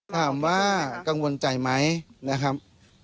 ถามว่ากังวลใจไหมนะครับ